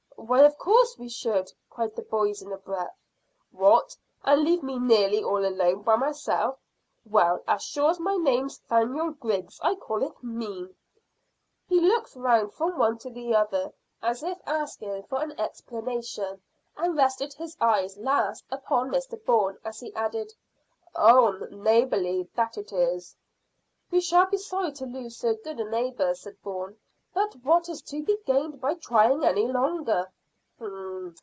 "Why, of course we should," cried the boys, in a breath. "What, and leave me nearly all alone by myself? Well, as sure as my name's 'Thaniel Griggs, I call it mean." He looked round from one to the other, as if asking for an explanation, and rested his eyes last upon Mr Bourne, as he added "On neighbourly, that it is." "We shall be sorry to lose so good a neighbour," said Bourne; "but what is to be gained by trying any longer?"